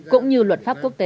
cũng như luật pháp quốc tế